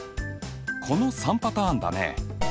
この３パターンだね。